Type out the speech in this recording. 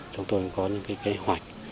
chúng tôi cũng có những kế hoạch